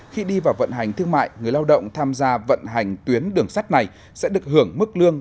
khi đi vào vận hành thương mại người lao động tham gia vận hành tuyến đường sắt này sẽ được hưởng mức lương